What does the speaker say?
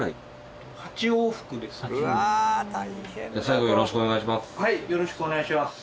最後よろしくお願いします。